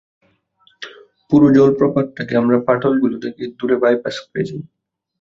পুরো জলপ্রপাতটাকে আমরা ফাটলগুলো থেকে দূরে বাইপাস করেছি।